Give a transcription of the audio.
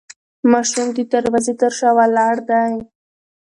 ماشوم د دروازې تر شا ولاړ دی.